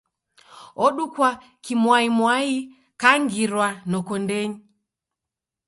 Odukwa kimwaimwai kangirwa noko ndenyi.